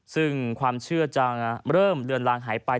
ซึ่งความเชื่อจะเริ่มเลือนลางหายไป